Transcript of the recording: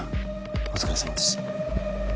お疲れさまです